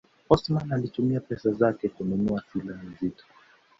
Osama alitumia pesa zake kununua silaha nzito